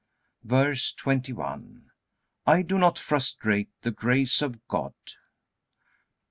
VERSE 21. I do not frustrate the grace of God.